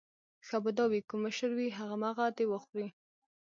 ښه به دا وي کوم مشر وي همغه دې وخوري.